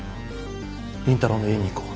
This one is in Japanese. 倫太郎の家に行こう。